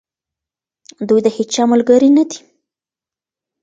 دوی د هیچا ملګري نه دي.